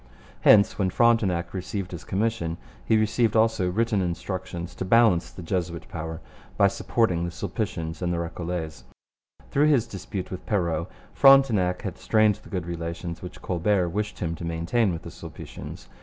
Hence, when Frontenac received his commission, he received also written instructions to balance the Jesuit power by supporting the Sulpicians and the Recollets. Through his dispute with Perrot, Frontenac had strained the good relations which Colbert wished him to maintain with the Sulpicians.